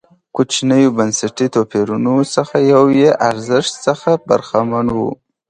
کوچنیو بنسټي توپیرونو څخه یو یې ارزښت څخه برخمن و.